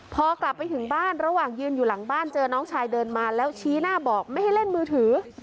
พอกลับไปถึงบ้านระหว่างยืนอยู่หลังบ้านเจอน้องชายเดินมาแล้วชี้หน้าบอกไม่ให้เล่นมือถือ